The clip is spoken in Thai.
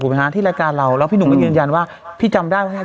ไหมฮะที่รายการเราแล้วพี่หนุ่มก็ยืนยันว่าพี่จำได้ว่าถ้า